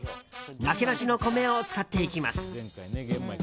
なけなしの米を使っていきます。